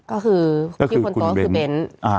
ก็คือคนตัวคือเบน